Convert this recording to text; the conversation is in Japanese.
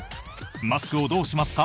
マスクをどうしますか？